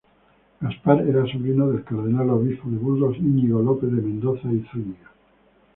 Gaspar era sobrino del cardenal obispo de Burgos Iñigo López de Mendoza y Zúñiga.